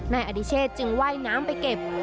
นายอดิเชษจึงว่ายน้ำไปเก็บ